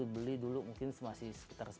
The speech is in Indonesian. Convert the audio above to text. beli dulu mungkin masih